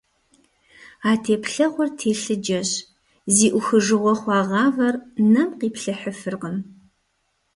А теплъэгъуэр телъыджэщ - зи Ӏухыжыгъуэ хъуа гъавэр нэм къиплъыхьыфыркъым.